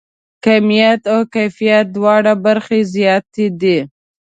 کیمیت او کیفیت دواړه برخې زیاتې دي.